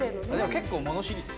結構、物知りです。